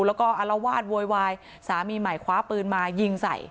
แล้วก็อารวาสโวยวายสามีใหม่คว้าปืนมายิงใส่